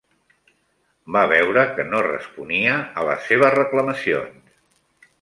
Va veure que no responia a les seves reclamacions